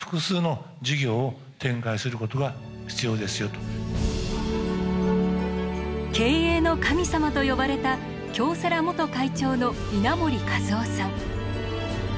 「今ふぐＫｉｓｓＭｅ」経営の神様と呼ばれた京セラ元会長の稲盛和夫さん。